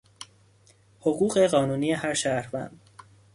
حقوق قانونی هر شهروند